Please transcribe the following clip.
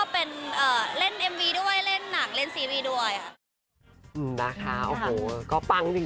เป็นโมเดลบ้างหรือ